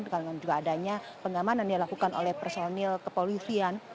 dengan juga adanya pengamanan yang dilakukan oleh personil kepolisian